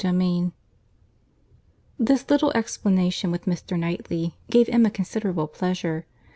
CHAPTER III This little explanation with Mr. Knightley gave Emma considerable pleasure.